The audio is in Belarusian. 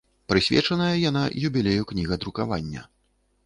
Прысвечаная яна юбілею кнігадрукавання.